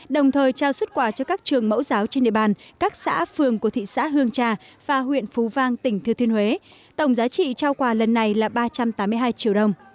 đồng thời trao xuất quà cho các trường mẫu giáo trên địa bàn các xã phường của thị xã hương trà và huyện phú vang tỉnh thừa thiên huế tổng giá trị trao quà lần này là ba trăm tám mươi hai triệu đồng